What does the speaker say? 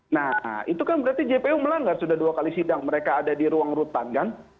nah itu kan berarti jpu melanggar sudah dua kali sidang mereka ada di ruang rutan kan